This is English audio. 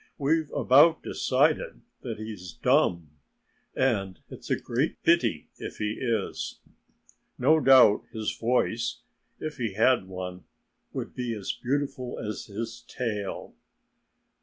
We've about decided that he is dumb. And it's a great pity if he is. No doubt his voice if he had one would be as beautiful as his tail."